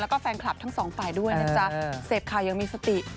แล้วก็แฟนคลับทั้งสองฝ่ายด้วยนะจ๊ะเสพข่าวยังมีสติ